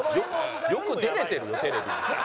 よく出れてるよテレビに。